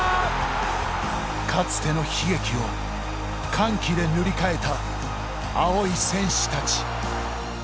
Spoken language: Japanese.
かつての悲劇を歓喜で塗り替えた青い戦士たち。